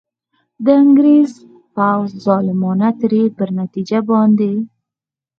د انګرېز پوځ ظالمانه تېري پر نتیجه باندي.